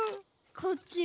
こっちは。